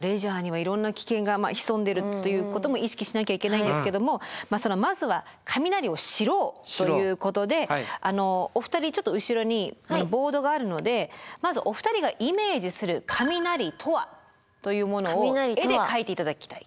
レジャーにはいろんな危険が潜んでるということも意識しなきゃいけないんですけどもまずは雷を知ろうということでお二人ちょっと後ろにボードがあるのでまずお二人がイメージする雷とはというものを絵で描いて頂きたい。